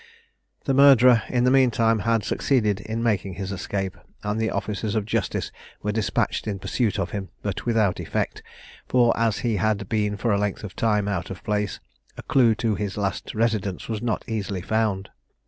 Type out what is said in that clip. The murderer, in the mean time, had succeeded in making his escape, and the officers of justice were despatched in pursuit of him, but without effect; for, as he had been for a length of time out of place, a clue to his last residence was not easily found.